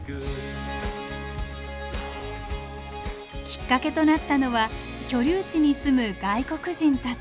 きっかけとなったのは居留地に住む外国人たち。